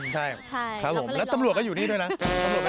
ใช่ครับผมแล้วตำรวจก็อยู่นี่ด้วยนะ